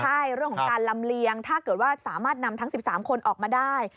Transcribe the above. ใช่เรื่องของการลำเลียงถ้าเกิดว่าสามารถนำทั้ง๑๓คนออกมาได้